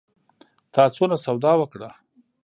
تا څونه سودا وکړه؟